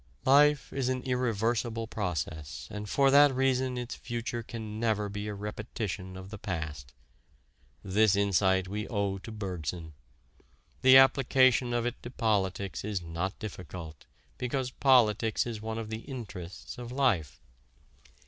Life is an irreversible process and for that reason its future can never be a repetition of the past. This insight we owe to Bergson. The application of it to politics is not difficult because politics is one of the interests of life.